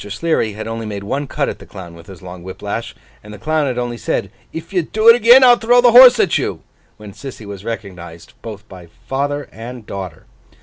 Sleary had only made one cut at the Clown with his long whip lash, and the Clown had only said, 'If you do it again, I'll throw the horse at you!' when Sissy was recognised both by father and daughter.